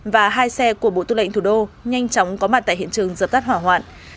và hai xe của bộ tư lệnh thủ đô nhanh chóng có mặt tại hiện trường dập tắt hỏa hoạn